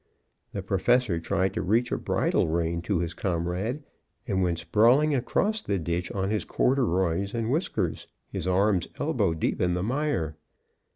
The Professor tried to reach a bridle rein to his comrade, and went sprawling across the ditch on his corduroys and whiskers, his arms elbow deep in the mire.